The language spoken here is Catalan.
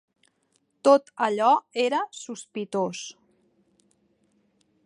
Tot allò era sospitós